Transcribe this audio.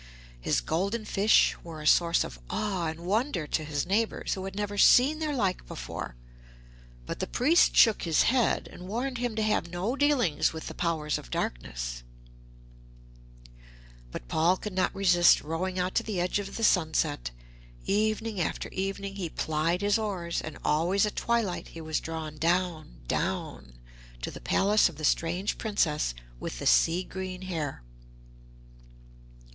His golden fish were a source of awe and wonder to his neighbours, who had never seen their like before; but the priest shook his head, and warned him to have no dealings with the powers of darkness. [Illustration: Here a Fairy Princess awaited him ] But Paul could not resist rowing out to the edge of the sunset. Evening after evening he plied his oars, and always at twilight he was drawn down down, to the palace of the strange Princess with the sea green hair.